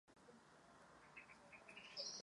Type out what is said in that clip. Mnoho jeho nejlepších prací zůstává v Benátkách.